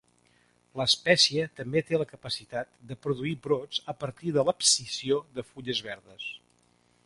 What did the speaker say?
L'espècie també té la capacitat de produir brots a partir de l'abscisió de fulles verdes.